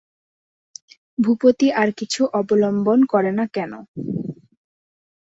ভূপতি আর কিছু অবলম্বন করে না কেন।